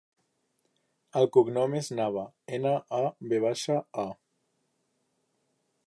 El cognom és Nava: ena, a, ve baixa, a.